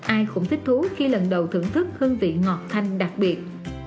ai cũng thích thú khi lần đầu thưởng thức hương vị ngọt thanh đặc biệt